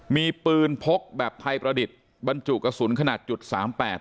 มีปืนพกแบบภัยประดิษฐ์บรรจุกระสุนขนาดจุดสามแปด